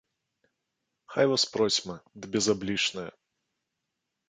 Хай вас процьма, ды безаблічныя.